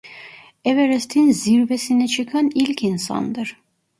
Everest'in zirvesine çıkan ilk insandır.